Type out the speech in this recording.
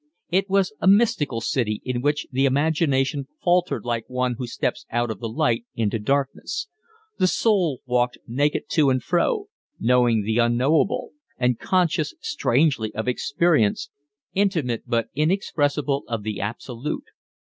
It was a mystical city in which the imagination faltered like one who steps out of the light into darkness; the soul walked naked to and fro, knowing the unknowable, and conscious strangely of experience, intimate but inexpressible, of the absolute.